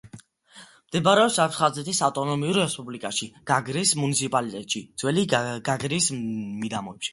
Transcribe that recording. მდებარეობს აფხაზეთის ავტონომიურ რესპუბლიკაში, გაგრის მუნიციპალიტეტში, ძველი გაგრის მიდამოებში.